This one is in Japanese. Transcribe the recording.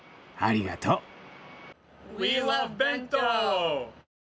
ありがとう。